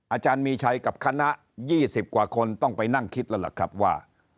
อาจารย์มีชัยกับคณะ๒๐กว่าคนต้องไปนั่งคิดแล้วล่ะครับว่า